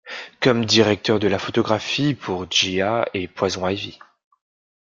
Comme directeur de la photographie pour Gia et Poison Ivy.